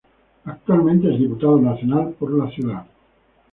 Actualmente es Diputado Nacional por la Ciudad.